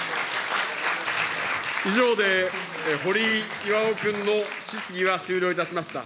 以上で堀井巌君の質疑が終了いたしました。